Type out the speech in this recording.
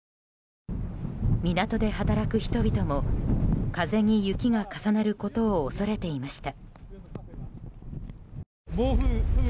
港で働く人々も、風に雪が重なることを恐れていました。